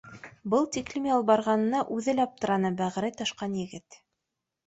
— Был тиклем ялбарғанына үҙе лә аптыраны бәғере ташҡан егет